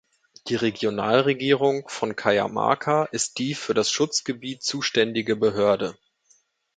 Die Regionalregierung von Cajamarca ist die für das Schutzgebiet zuständige Behörde.